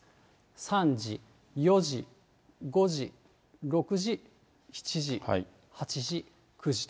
３時、４時、５時、６時、７時、８時、９時と。